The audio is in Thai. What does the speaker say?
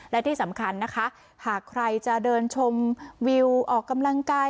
และที่สำคัญนะคะหากใครจะเดินชมวิวออกกำลังกาย